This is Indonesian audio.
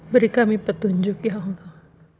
beri kami petunjuk ya allah